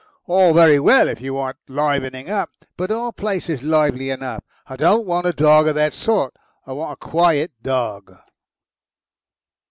All very well if you want livening up, but our place is lively enough. I don't want a dog of that sort. I want a quiet dog."